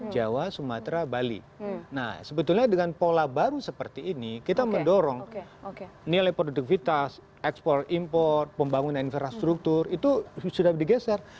jawa sumatera bali nah sebetulnya dengan pola baru seperti ini kita mendorong nilai produktivitas ekspor import pembangunan infrastruktur itu sudah digeser